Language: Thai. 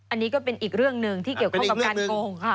อันนี้ก็เป็นอีกเรื่องหนึ่งที่เกี่ยวข้องกับการโกงค่ะ